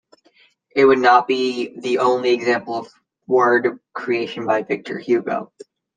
It would not be the only example of word creation by Victor Hugo.